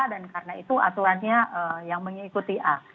dan karena itu aturannya yang mengikuti a